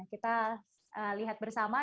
kita lihat bersama